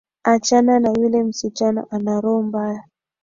Achana na yule msichana ana roho mbaya.